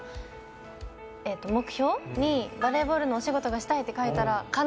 「バレーボールのお仕事がしたい」って書いたら。